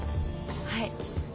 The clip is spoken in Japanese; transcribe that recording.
はい。